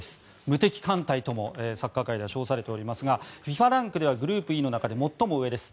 無敵艦隊ともサッカー界では称されておりますがＦＩＦＡランクではグループＥの中では最も上です